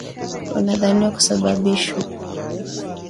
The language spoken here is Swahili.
Unadhaniwa kusababishwa